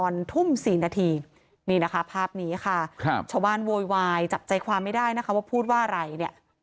นี่นะครับภาพนี้ค่ะชาวบ้านโวยวายจับใจความไม่ได้นะคะว่าพูดว่าอะไรเนี่ย